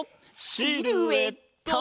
シルエット！